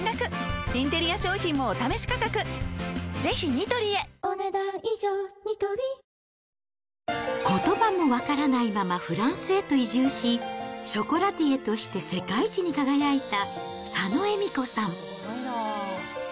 ニトリことばも分からないままフランスへと移住し、ショコラティエとして世界一に輝いた佐野恵美子さん。